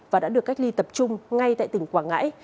và đã được cách ly tập trung ngay tại tỉnh quảng ngãi